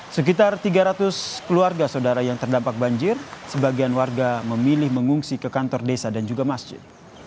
sekitar tiga ratus keluarga saudara yang terdampak banjir sebagian warga memilih mengungsi ke kantor desa dan juga masjid